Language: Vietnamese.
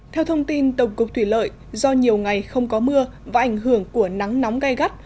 theo thông tin tổng cục thủy lợi do nhiều ngày không có mưa và ảnh hưởng của nắng nóng gai gắt